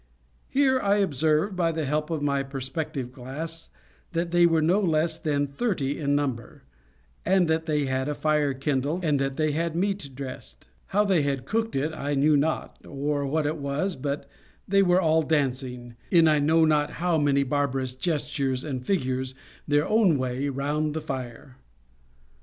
Here I observed, by the help of my perspective glass, that they were no less than thirty in number; that they had a fire kindled, and that they had meat dressed. How they had cooked it I knew not, or what it was, but they were all dancing, in I know not how many barbarous gestures and figures, their own way, round the fire.